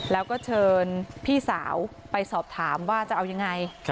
แล้วก็เชิญพี่สาวไปสอบถามว่าจะเอายังไง